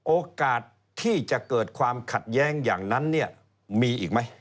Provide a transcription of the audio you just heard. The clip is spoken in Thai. โอกาสที่จะเกิดความขัดแย้งอย่างนั้นเนี่ยมีอีกไหม